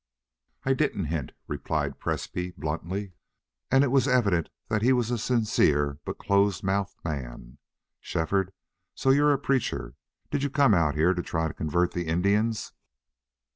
"I didn't hint," replied Presbrey, bluntly, and it was evident that he was a sincere, but close mouthed, man. "Shefford, so you're a preacher?... Did you come out here to try to convert the Indians?"